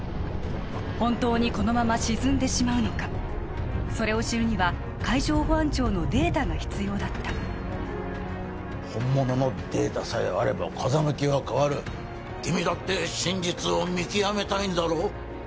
本当にこのまま沈んでしまうのかそれを知るには海上保安庁のデータが必要だった本物のデータさえあれば風向きは変わる君だって真実を見極めたいんだろう？